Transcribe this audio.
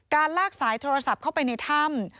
ลากสายโทรศัพท์เข้าไปในถ้ำ